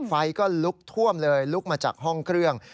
ไฟก็ลุกท่วมเลยลุกมาจากห้องเครื่อง